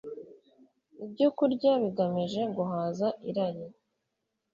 ibyokurya bigamije guhaza irari